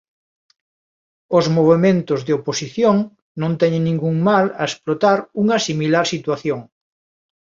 Os movementos de oposición non teñen ningún mal a explotar unha similar situación.